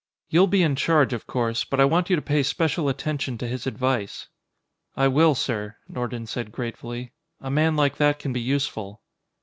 You'll be in charge, of course, but I want you to pay special attention to his advice." "I will, sir," Nordon said gratefully. "A man like that can be useful."